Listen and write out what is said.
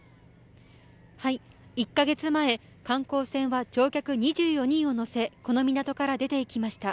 １か月前、観光船は乗客２４人を乗せ、この港から出ていきました。